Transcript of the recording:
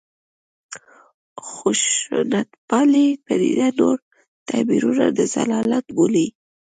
خشونتپالې پدیده نور تعبیرونه د ضلالت بولي.